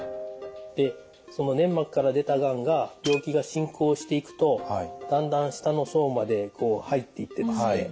でその粘膜から出たがんが病気が進行していくとだんだん下の層まで入っていってですね。